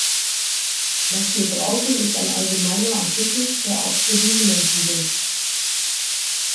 Was wir brauchen, ist ein allgemeiner Artikel, der auch für diese Menschen gilt.